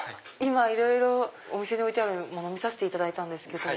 いろいろお店に置いてあるもの見させていただいたんですけど。